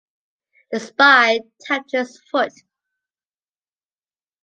The spy tapped his foot.